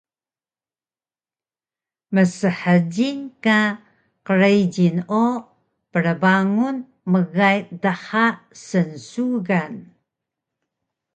Mshjil ka qrijil o prbangun mgay dha snsugan